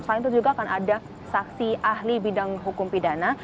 selain itu juga akan ada saksi ahli bidang hukum pidana